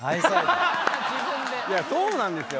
いやそうなんですよ！